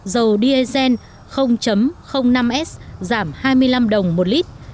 dầu diesel năm s giảm hai mươi năm đồng một lít